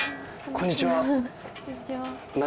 こんにちは。